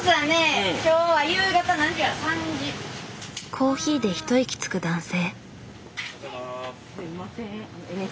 コーヒーで一息つく男性。